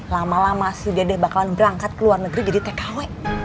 lama lama si dedeh bakalan berangkat ke luar negeri jadi tkw